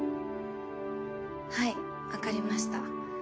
はいわかりました。